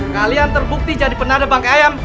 kalian terbukti jadi penada bangkai ayam